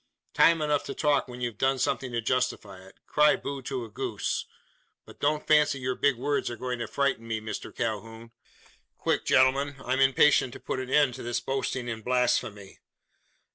"Time enough to talk when you've done something to justify it. Cry boo to a goose; but don't fancy your big words are going to frighten me, Mr Calhoun! Quick, gentlemen! I'm impatient to put an end to his boasting and blasphemy!"